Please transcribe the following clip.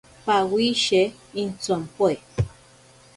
Pawishe intsompoe.